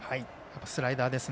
スライダーですね。